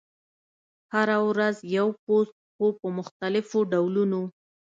هره ورځ یو پوسټ، خو په مختلفو ډولونو: